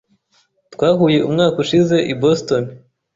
Twahuye umwaka ushize i Boston.